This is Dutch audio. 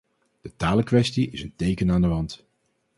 De talenkwestie is een teken aan de wand.